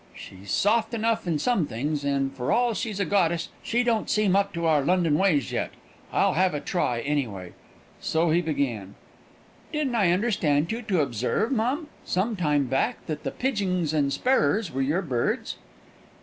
"She's soft enough in some things, and, for all she's a goddess, she don't seem up to our London ways yet. I'll have a try, anyway." So he began: "Didn't I understand you to observe, mum, some time back, that the pidgings and sparrers were your birds?"